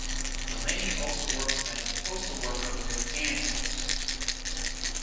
Delany also works as a postal worker with An Post.